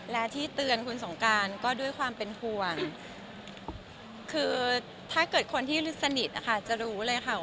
และที่เตือนคุณสงการก็ด้วยความเป็นห่วงคือถ้าเกิดคนที่สนิทนะคะจะรู้เลยค่ะ